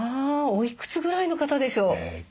おいくつぐらいの方でしょう？